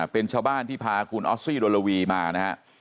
เป็นชาวบ้านที่พาคุณออสซี่โดโลวีมานะฮะ